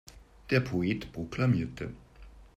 Der Poet proklamierte.